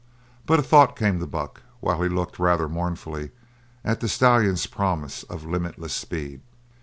But a thought came to Buck while he looked, rather mournfully, at the stallion's promise of limitless speed.